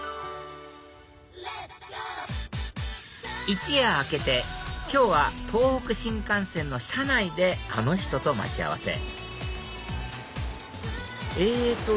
一夜明けて今日は東北新幹線の車内であの人と待ち合わせえっと